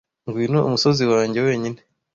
Ngwino umusozi wanjye wenyine,